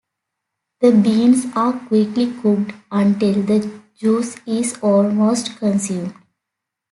The beans are quickly cooked until the juice is almost consumed.